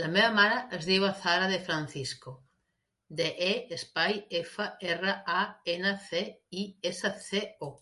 La meva mare es diu Azahara De Francisco: de, e, espai, efa, erra, a, ena, ce, i, essa, ce, o.